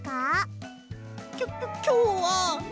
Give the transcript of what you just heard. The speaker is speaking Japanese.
きょきょきょうはえっと